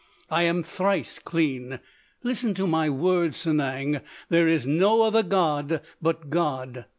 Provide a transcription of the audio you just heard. I am thrice clean! Listen to my words, Sanang! There is no other god but God!"